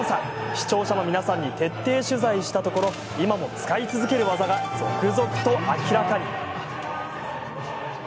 視聴者の皆さんに徹底取材したところ、今も使い続けるワザが続々と明らかに。